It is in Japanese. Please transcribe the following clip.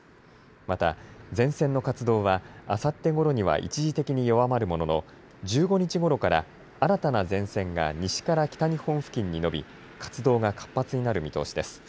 また前線の活動はあさってごろには一時的に弱まるものの１５日ごろから新たな前線が西から北日本付近に延び活動が活発になる見通しです。